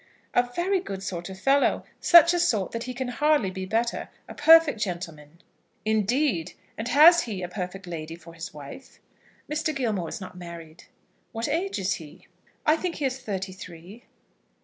"A very good sort of fellow; such a sort that he can hardly be better; a perfect gentleman." "Indeed! And has he a perfect lady for his wife?" "Mr. Gilmore is not married." "What age is he?" "I think he is thirty three."